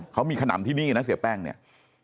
เขามีขนำที่นี่นะเสียแป้งเนี่ย